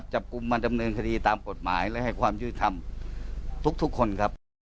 จับกลุ่มมาดำเนินคดีตามกฎหมายและให้ความยุติธรรมทุกคนครับ